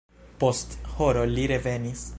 Post horo li revenis.